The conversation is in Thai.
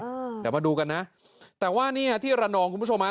อ่าเดี๋ยวมาดูกันนะแต่ว่านี่ฮะที่ระนองคุณผู้ชมฮะ